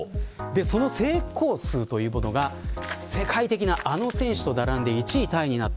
その成功数というものが世界的なあの選手と並んで１位タイになった。